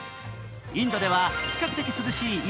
インドでは比較的涼しい